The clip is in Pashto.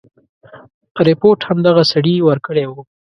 رپوټ هم دغه سړي ورکړی وو.